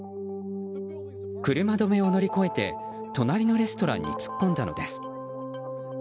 車止めを乗り越えて隣のレストランに突っ込んだのです。